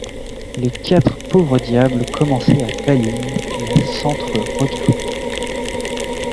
Les quatre pauvres diables commençaient à pâlir et à s’entre-regarder.